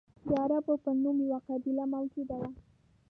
د عربو په نوم یوه قبیله موجوده وه.